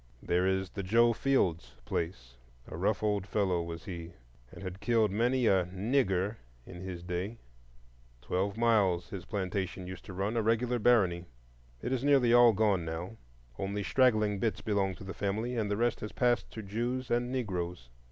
There is the "Joe Fields place"; a rough old fellow was he, and had killed many a "nigger" in his day. Twelve miles his plantation used to run,—a regular barony. It is nearly all gone now; only straggling bits belong to the family, and the rest has passed to Jews and Negroes.